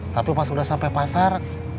tapi pas udah sampai pasar